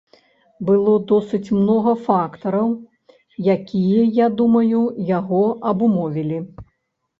Было досыць многа фактараў, якія, я думаю, яго абумовілі.